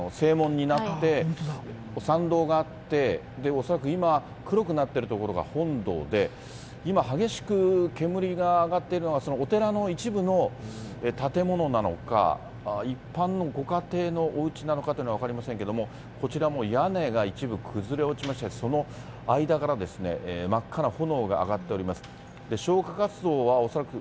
正門になって、参道があって、恐らく今、黒くなっているところが本堂で、今、激しく煙が上がっているのが、そのお寺の一部の建物なのか、一般のご家庭のおうちなのかっていうのは分かりませんけれども、こちらもう屋根が一部崩れ落ちまして、その間から真っ赤な炎が上がっております。